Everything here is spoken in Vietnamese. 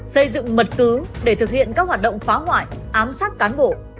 xây dựng mật cứ để thực hiện các hoạt động phá hoại ám sát cán bộ